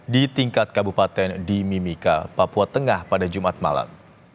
di tingkat kabupaten di mimika papua tengah pada jumat malam